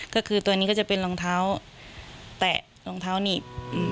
ก็คือตัวนี้ก็จะเป็นรองเท้าแตะรองเท้าหนีบ